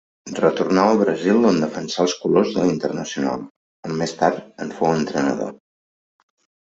Retornà al Brasil on defensà els colors de l'Internacional, on més tard en fou entrenador.